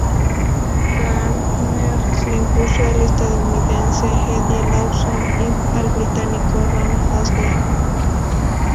Gardner se impuso al estadounidense Eddie Lawson y al británico Ron Haslam.